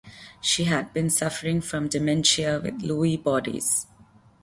She had been suffering from dementia with Lewy bodies.